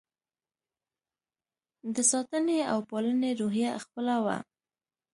د ساتنې او پالنې روحیه خپله وه.